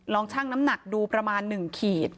ชั่งน้ำหนักดูประมาณ๑ขีด